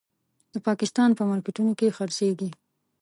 د پاکستان په مارکېټونو کې خرڅېږي.